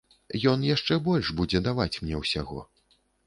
Ён яшчэ больш будзе даваць мне ўсяго.